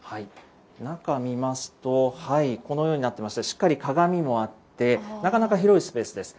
中見ますと、このようになっていまして、しっかり鏡もあって、なかなか広いスペースです。